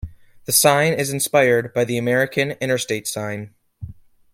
The sign is inspired by the American Interstate sign.